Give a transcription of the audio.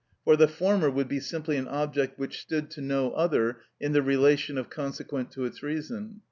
For the former would be simply an object which stood to no other in the relation of consequent to its reason.